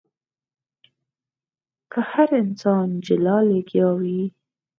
که هر انسان جلا لګيا وي.